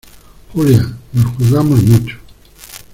Julia, nos jugamos mucho.